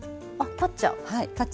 立っちゃう。